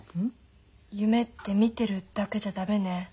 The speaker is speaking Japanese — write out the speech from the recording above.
夢って見てるだけじゃ駄目ね。